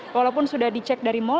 walaupun sudah di cek dari mal